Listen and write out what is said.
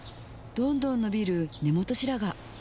どんどん伸びる根元白髪